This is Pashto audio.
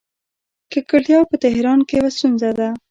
ککړتیا په تهران کې یوه ستونزه ده.